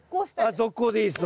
続行でいいです。